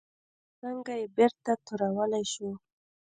او څنګه یې بېرته تورولی شو؟